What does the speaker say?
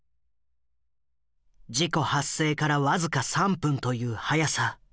事故発生から僅か３分という早さ。